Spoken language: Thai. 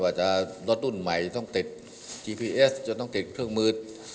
ว่าจะรถรุ่นใหม่จะต้องติดจีพีเอสจนต้องติดเครื่องมือ